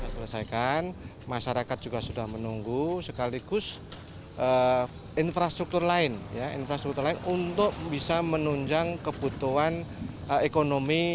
selesaikan masyarakat juga sudah menunggu sekaligus infrastruktur lain ya infrastruktur lain untuk bisa menunjang kebutuhan ekonomi